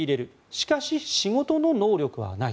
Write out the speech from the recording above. しかし仕事の能力はない。